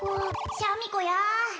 シャミ子や